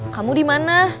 kamu di mana